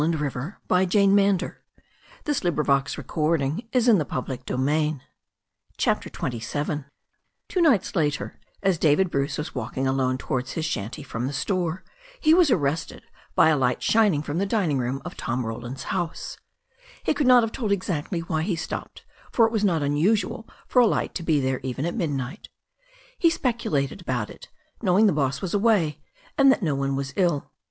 And so they, too, for a time under the midnight stars, forgot the dead man in the hut CHAPTER XXVn TWO nights later, as David Bruce was walking alone towards his shanty from the store, he was arrested by a light shining from the dining room of Tom Roland's house. He could not have told exactly why he stopped, for it was not unusual for a light to be there even at midnight He speculated about it, know ing the boss was away, and that no one was ill.